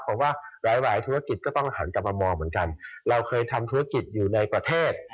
เพราะว่าหลายหลายธุรกิจก็ต้องหันกลับมามองเหมือนกันเราเคยทำธุรกิจอยู่ในประเทศ